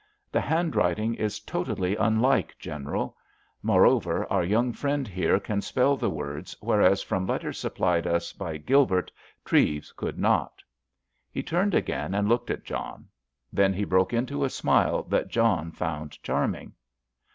"The handwriting is totally unlike, General. Moreover, our young friend here can spell the words, whereas, from letters supplied us by Gilbert, Treves could not." He turned again and looked at John. Then he broke into a smile that John found charming.